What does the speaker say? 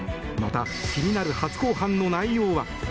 また、気になる初公判の内容は？